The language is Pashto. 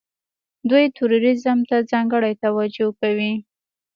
دوی ټوریزم ته ځانګړې توجه کوي.